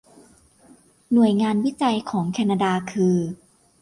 หน่วยงานวิจัยของแคนนาดาคือ